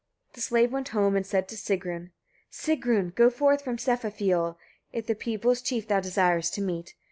The slave went home and said to Sigrun: 40. Sigrun! go forth from Sefafioll, if the people's chief thou desirest to meet.